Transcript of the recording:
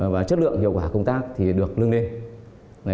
và chất lượng hiệu quả công tác thì được lưng lên